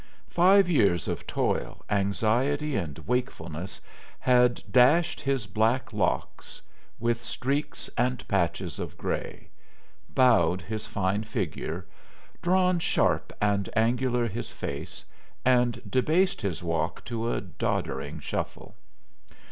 Five years of toil, anxiety, and wakefulness had dashed his black locks with streaks and patches of gray, bowed his fine figure, drawn sharp and angular his face, and debased his walk to a doddering shuffle.